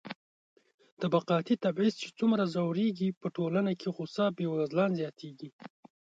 طبقاتي تبعيض چې څومره ژورېږي، په ټولنه کې غوسه بېوزلان زياتېږي.